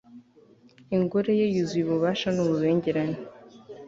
ingoro ye yuzuye ububasha n'ububengerane